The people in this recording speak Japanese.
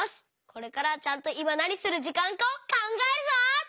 これからはちゃんといまなにするじかんかをかんがえるぞ！